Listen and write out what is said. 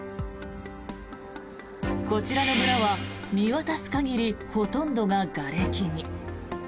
こちらの村は見渡す限りほとんどががれきに。